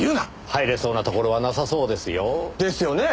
入れそうなところはなさそうですよ。ですよね。